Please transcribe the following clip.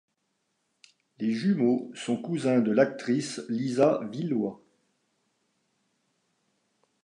Les jumeaux sont cousins de l'actrice Lisa Wilhoit.